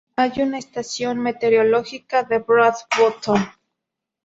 Hay una estación meteorológica en Broad Bottom.